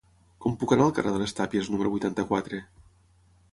Com puc anar al carrer de les Tàpies número vuitanta-quatre?